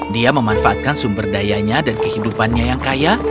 dia memanfaatkan sumber dayanya dan kehidupannya